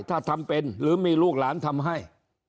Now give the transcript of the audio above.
ถ้าทำเป็นหรือมีลูกหลานทำให้